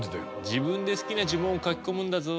自分で好きな呪文を書き込むんだぞ。